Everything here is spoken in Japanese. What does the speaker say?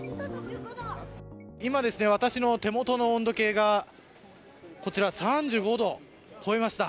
今、私の手元の温度計がこちら、３５度を超えました。